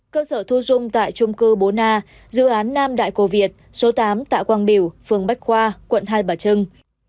cơ sở thu dung tại trung cư bốn a dự án nam đại cô việt số tám tạ quang biểu phường bách khoa quận hai bà trưng